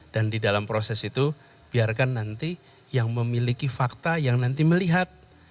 dan di dalam proses itu biarkan nanti yang memiliki fakta yang nanti melihat